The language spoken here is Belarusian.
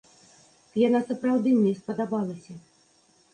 Яна сапраўды мне спадабалася.